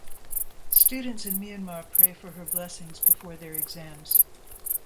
Students in Myanmar pray for her blessings before their exams.